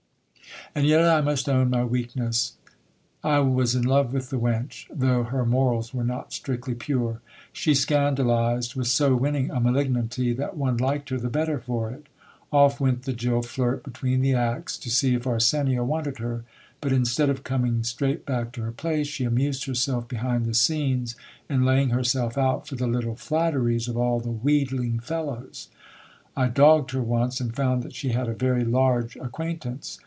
And yet I must own my weakness. I was in love with the wench, though her morals were not strictly pure. She scandalized with so winning a malignity that one liked her the better for it. Off went the jill flirt between the acts, to see if Arsenia wanted her ; but instead of coming straight back to her place, she amused herself behind the scenes, inlaying herself out for the little flatteries of all the wheedling fellows. I dogged her once, and found that she had a very large acquaintance.